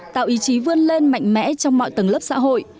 tạo ý chí vươn lên mạnh mẽ trong mọi tầng lớp xã hội